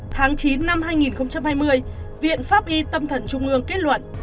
tháng chín năm hai nghìn hai mươi viện pháp y tâm thần trung ương kết luận